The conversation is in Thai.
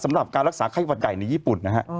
สำหรับการรักษาไข้หวัดใหญ่ในญี่ปุ่นนะฮะ